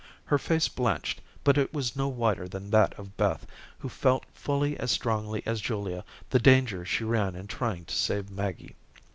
Her face blanched, but it was no whiter than that of Beth, who felt fully as strongly as Julia the danger she ran in trying to save Maggie.